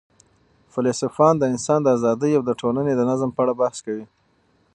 فیلسوفان د انسان د آزادۍ او د ټولني د نظم په اړه بحث کوي.